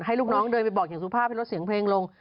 ให้ลูกน้องเดินบอกอย่างสูงภาพไปรถเสียงเพลงลง